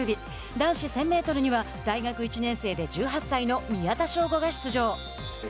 男子１０００メートルには大学１年生で１８歳の宮田将吾が出場。